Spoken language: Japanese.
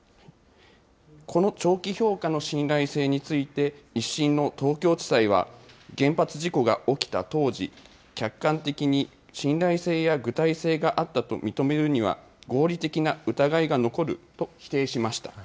この長期評価の信頼性について、１審の東京地裁は、原発事故が起きた当時、客観的に信頼性や具体性があったと認めるには合理的な疑いが残ると否定しました。